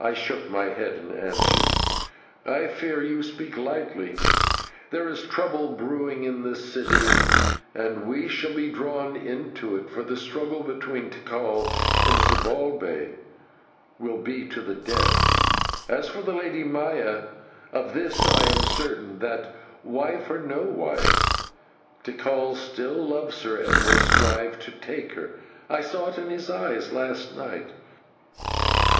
I shook my head, and answered: "I fear you speak lightly. There is trouble brewing in this city, and we shall be drawn into it, for the struggle between Tikal and Zibalbay will be to the death. As for the Lady Maya, of this I am certain, that wife or no wife Tikal still loves her and will strive to take her; I saw it in his eyes last night.